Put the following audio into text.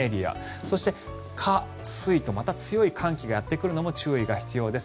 そして、火水とまた強い寒気がやってくるのも注意が必要です。